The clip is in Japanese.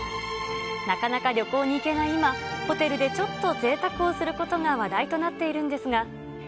なかなか旅行に行けない今、ホテルでちょっとぜいたくをすることが話題となっているんですが。